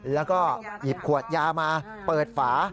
แล้วก็หยิบขวดยามาเปิดฝา